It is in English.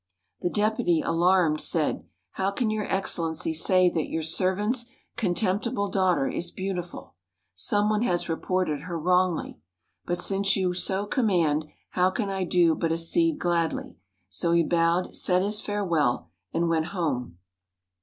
The Deputy, alarmed, said, "How can your Excellency say that your servant's contemptible daughter is beautiful? Some one has reported her wrongly. But since you so command, how can I do but accede gladly?" So he bowed, said his farewell, and went home.